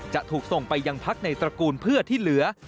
จะถูกส่งไปยังพักในตระกูลเพื่อที่เหลือ